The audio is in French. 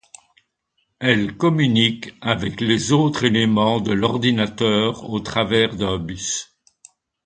Elle communique avec les autres éléments de l'ordinateur au travers d'un bus.